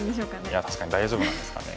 いや確かに大丈夫なんですかね。